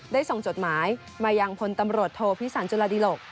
ส่งจดหมายมายังพลตำรวจโทพิสันจุลาดิหลก